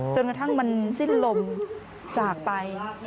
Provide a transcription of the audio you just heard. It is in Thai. จนกระทั่งมันสิ้นลมจากไป